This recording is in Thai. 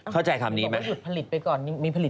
เข้าใจคำนี้ไหม